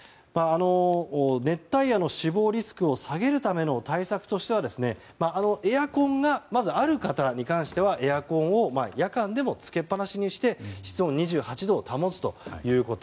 熱帯夜の死亡リスクを下げるための対策としてエアコンがまずある方に関してはエアコンを夜間でもつけっぱなしにして室温２８度を保つということ。